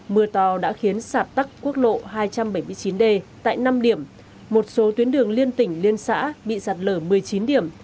mưa to đã khiến sạt tắc quốc lộ hai trăm bảy mươi chín d tại năm điểm một số tuyến đường liên tỉnh liên xã bị sạt lở một mươi chín điểm